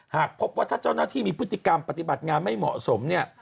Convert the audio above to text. หากพบว่าถ้าเจ้าหน้าที่มีพฤติกรรมปฏิบัติงานไม่เหมาะสมเนี่ย